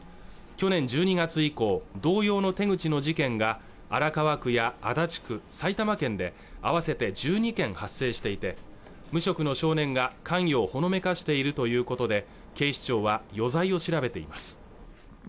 去年１２月以降同様の手口の事件が荒川区や足立区、埼玉県で合わせて１２件発生していて無職の少年が関与をほのめかしているということで警視庁は余罪を調べています